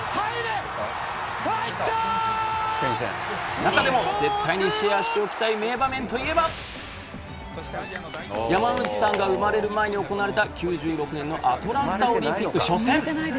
なかでも絶対にシェアしておきたい名場面といえば、山之内さんが生まれる前に行われた９６年のアトランタオリンピック初戦。